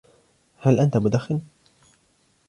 هل أنت مدخن ؟